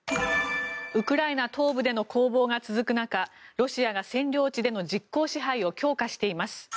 ウクライナ東部での攻防が続く中ロシアが占領地での実効支配を強化しています。